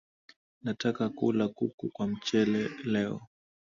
Nataka kula kuku kwa mchele leo